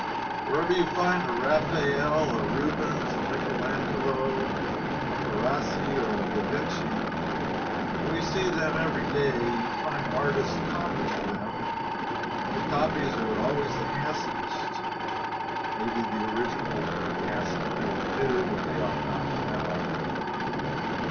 Wherever you find a Raphael, a Rubens, a Michelangelo, a Carracci, or a da Vinci (and we see them every day,) you find artists copying them, and the copies are always the handsomest. Maybe the originals were handsome when they were new, but they are not now.